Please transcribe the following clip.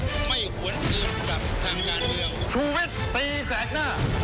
ผมไม่หวนอื่นกับทางงานเดียว